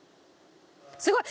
すごい！